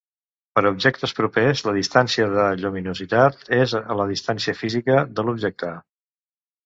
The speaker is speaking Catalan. Per a objectes propers, la distància de lluminositat és a la distància física de l'objecte.